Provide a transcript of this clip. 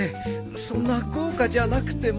そんな豪華じゃなくても。